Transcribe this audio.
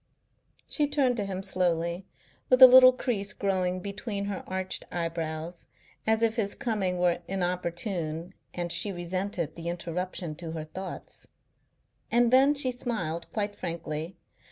She turned to him slowly, with a little crease growing between her arched eyebrows, as if his coming were inopportune and she resented the interruption to her thoughts, and then she smiled quite frankly.